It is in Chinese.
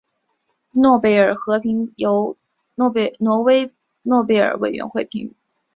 诺贝尔和平奖由挪威诺贝尔委员会评选。